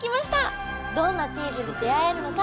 どんなチーズに出会えるのか？